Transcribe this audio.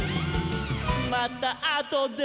「またあとで」